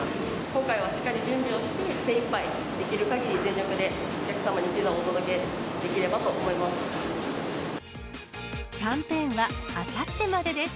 今回はしっかり準備をして、精いっぱい、できるかぎり全力で、お客様にピザをお届けできればと思います。